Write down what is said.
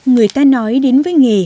người ta nói đến với nghề